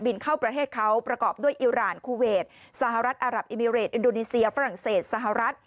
เข้าประเทศเขาประกอบด้วยอิราณคูเวทสหรัฐอารับอิมิเรตอินโดนีเซียฝรั่งเศสสหรัฐ